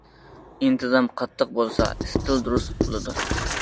ئىنتىزام قاتتىق بولسا، ئىستىل دۇرۇس بولىدۇ.